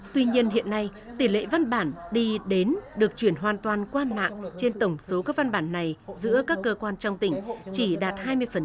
tuy nhiên hiện nay tỷ lệ văn bản đi đến được chuyển hoàn toàn qua mạng trên tổng số các văn bản này giữa các cơ quan trong tỉnh chỉ đạt hai mươi